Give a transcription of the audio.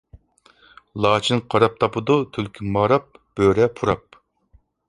لاچىن قاراپ تاپىدۇ، تۈلكە ماراپ، بۆرە پۇراپ.